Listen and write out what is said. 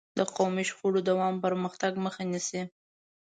د قومي شخړو دوام د پرمختګ مخه نیسي.